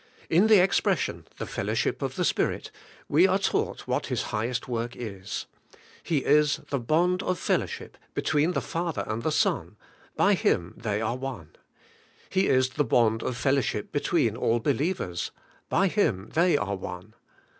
In the expression, 'the fellowship of the Spirit,' we are taught what His highest work is. He is the bond of fellowship between the Father and the Son: by Him they are one. He is the bond of fellowship between all believers: by Him they are one.